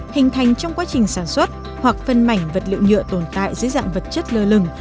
hình thành trong quá trình sản xuất hoặc phân mảnh vật liệu nhựa tồn tại dưới dạng vật chất lơ lửng